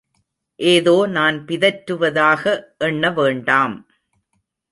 ஏதோ நான் பிதற்றுவதாக எண்ணவேண்டாம்.